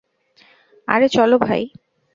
আরে চলো ভাই।